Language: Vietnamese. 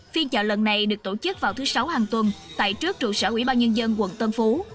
phiên chợ lần này được tổ chức vào thứ sáu hàng tuần tại trước trụ sở ubnd quận tân phú